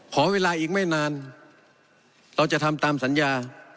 ขอเวลาอีกไม่นานเราจะทำตามสัญญา